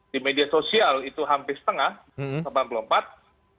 di media sosial itu hampir setengah delapan puluh empat